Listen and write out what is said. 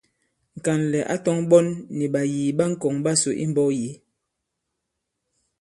Ŋ̀kànlɛ̀ ǎ tɔ̄ŋ ɓɔ̌n nì ɓàyìì ɓa ŋ̀kɔ̀ŋ ɓasò imbɔ̄k yě.